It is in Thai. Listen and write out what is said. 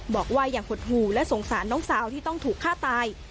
บอกว่ายังหดหูและสงสารน้องสาวที่ต้องถูกฆ่าตาย